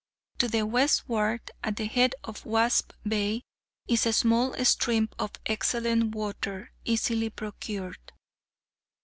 To the westward, at the head of Wasp Bay, is a small stream of excellent water, easily procured.